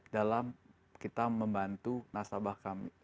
dalam kita membantu nasabah kami